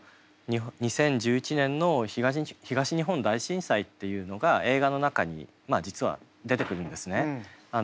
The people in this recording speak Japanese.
２０１１年の東日本大震災っていうのが映画の中に実は出てくるんですね。